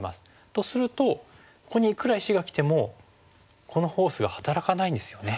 とするとここにいくら石がきてもこのフォースが働かないんですよね。